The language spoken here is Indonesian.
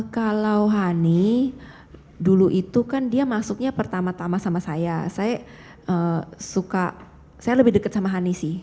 kalau hani dulu itu kan dia masuknya pertama tama sama saya saya suka saya lebih dekat sama hani sih